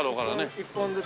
１本ずつ。